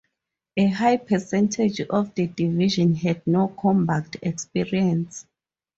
A high percentage of the division had no combat experience.